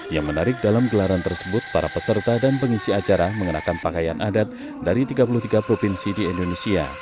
yang menarik dalam gelaran tersebut para peserta dan pengisi acara mengenakan pakaian adat dari tiga puluh tiga provinsi di indonesia